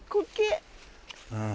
うん。